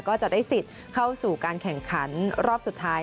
ก็จะได้สิทธิ์เข้าสู่การแข่งขันรอบสุดท้าย